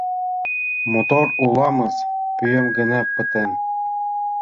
Мотор улам-ыс, пӱэм гына пытен.